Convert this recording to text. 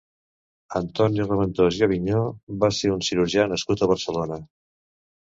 Antoni Raventós i Aviñó va ser un cirurgià nascut a Barcelona.